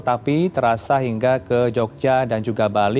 tapi terasa hingga ke jogja dan juga bali